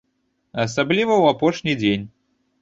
Асабліва ў апошні дзень.